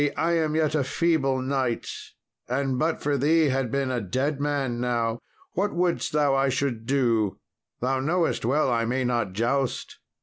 I am yet a feeble knight, and but for thee had been a dead man now: what wouldest thou I should do? Thou knowest well I may not joust."